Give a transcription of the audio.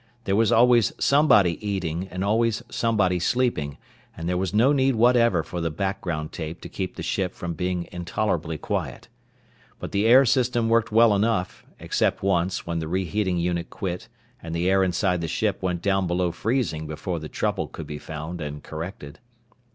There was always somebody eating, and always somebody sleeping, and there was no need whatever for the background tape to keep the ship from being intolerably quiet. But the air system worked well enough, except once when the reheating unit quit and the air inside the ship went down below freezing before the trouble could be found and corrected.